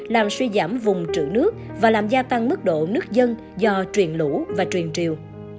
làm suy giảm vùng trự nước và làm gia tăng mức độ nước dân do truyền lũ và truyền triều